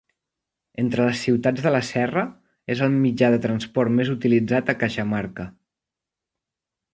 Entre les ciutats de la serra, és el mitjà de transport més utilitzat en Cajamarca.